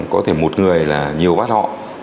có thể một người là nhiều bắt họ